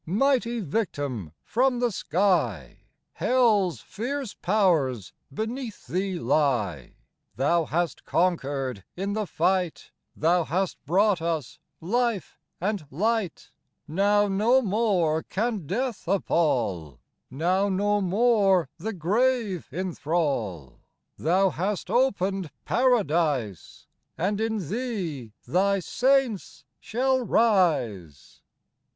28 Mighty Victim from the sky ! Hell's fierce powers beneath Thee lie ; Thou hast conquered in the fight, Thou hast brought us life and light : Now no more can death appall, Now no more the grave inthrall ; Thou hast opened Paradise, And in Thee Thy saints shall rise.